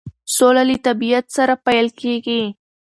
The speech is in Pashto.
سوله له طبیعت سره پیل کیږي.